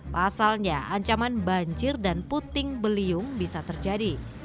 pasalnya ancaman banjir dan puting beliung bisa terjadi